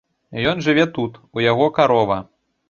Ён жыве тут, у яго карова.